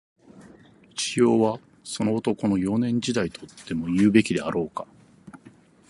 一葉は、その男の、幼年時代、とでも言うべきであろうか